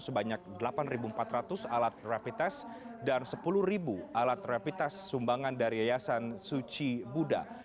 sebanyak delapan empat ratus alat rapid test dan sepuluh alat rapid test sumbangan dari yayasan suci buddha